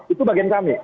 itu bagian kami